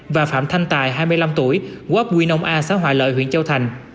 và phạm thanh tài hai mươi năm tuổi quốc quy nông a xã hòa lợi huyện châu thành